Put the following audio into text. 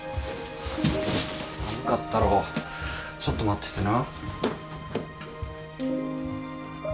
寒かったろちょっと待っててな。